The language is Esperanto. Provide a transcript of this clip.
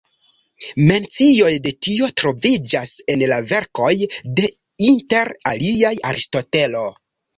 Mencioj de tio troviĝas en la verkoj de inter aliaj Aristotelo.